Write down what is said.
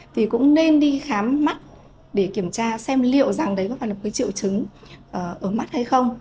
thì cũng nên đi khám mắt để kiểm tra xem liệu rằng đấy có phải là một cái triệu chứng ở mắt hay không